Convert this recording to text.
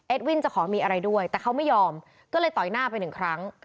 วินจะขอมีอะไรด้วยแต่เขาไม่ยอมก็เลยต่อยหน้าไปหนึ่งครั้ง